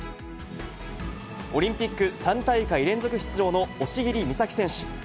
オリンピック３大会連続出場の押切美沙紀選手。